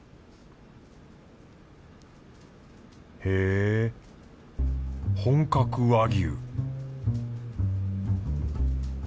へぇ本格和牛